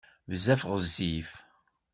Bezzaf ɣezzif.